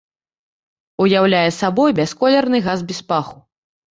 Уяўляе сабой бясколерны газ без паху.